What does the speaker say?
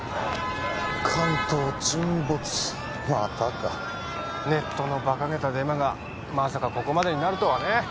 関東沈没またかネットのバカげたデマがまさかここまでになるとはね